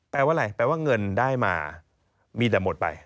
แปลว่าอะไรแปลว่าเงินได้มามีแต่หมดไป